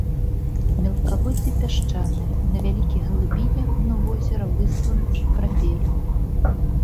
Мелкаводдзе пясчанае, на вялікіх глыбінях дно возера выслана сапрапелем.